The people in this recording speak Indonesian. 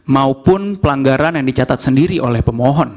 maupun pelanggaran yang dicatat sendiri oleh pemohon